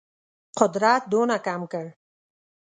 قدرت دونه کم کړ.